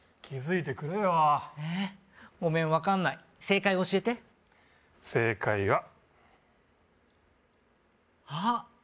気づいてくれよえっごめん分かんない正解を教えて正解はあっ